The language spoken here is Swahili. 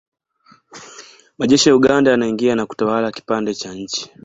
Majeshi ya Uganda yanaingia na kutawala kipande cha nchi